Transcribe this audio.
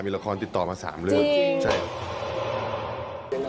มีละครติดต่อมา๓เรื่องใช่หรือเปล่าอ๋อจริง